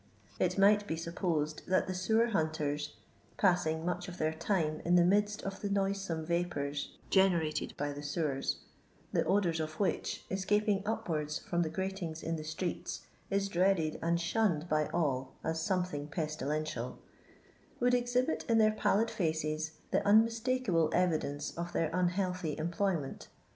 It might be supposed that the sewer huntirs (passing much of their time in the midst of the noisome vapours generated by the sewers, the odour of which, escaping upwards from the grat ings in the streets, is dreaded and shunned by all as something pestilential) would exhibit in their pill I id faces the unmistakable evidence of their unhealthy employment.